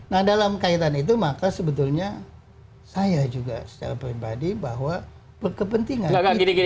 nah dalam kaitan itu maka sebetulnya saya juga secara pribadi bahwa berkepentingan